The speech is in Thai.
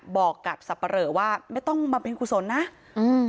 บอกกับสับปะเหลอว่าไม่ต้องมาเป็นกุศลนะอืม